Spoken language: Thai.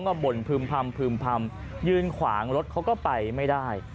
ก็บ่นพืมพรรมพืมพรรมยืนขวางรถเขาก็ไปไม่ได้